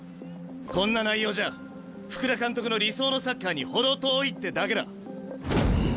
こんな内容じゃ福田監督の理想のサッカーに程遠いってだけだ。